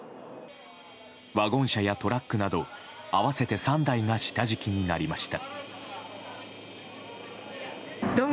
ワゴン車やトラックなど合わせて３台が下敷きになりました。